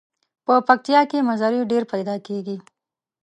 په پکتیا کې مزري ډیر پیداکیږي.